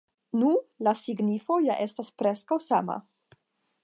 Nu, la signifo ja estas preskaŭ sama.